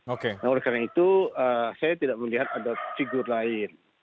nah oleh karena itu saya tidak melihat ada figur lain